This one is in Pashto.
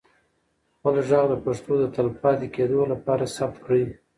خپل ږغ د پښتو د تلپاتې کېدو لپاره ثبت کړئ.